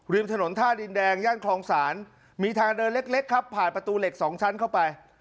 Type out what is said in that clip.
ริมถนนท่าดินแดงย่านคลองศาลมีทางเดินเล็กครับผ่านประตูเหล็กสองชั้นเข้าไป